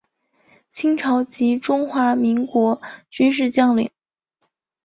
清朝及中华民国军事将领。